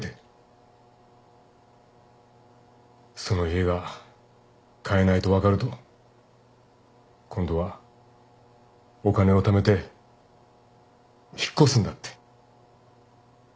その家が買えないと分かると今度はお金をためて引っ越すんだって。